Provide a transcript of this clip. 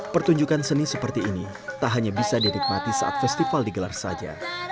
pertunjukan seni seperti ini tak hanya bisa dinikmati saat festival digelar saja